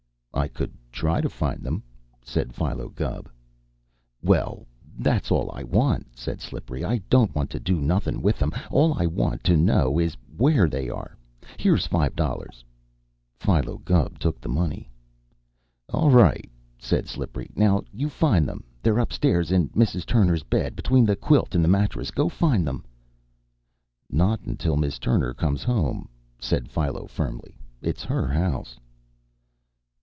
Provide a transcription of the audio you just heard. "I could try to find them," said Philo Gubb. "Well, that's all I want," said Slippery. "I don't want to do nothin' with them. All I want to know is where are they? Here's five dollars." Philo Gubb took the money. "All right," said Slippery, "now, you find them. They're upstairs in Mrs. Turner's bed, between the quilt and the mattress. Go find them." "Not until Miss Turner comes home," said Philo firmly. "It's her house."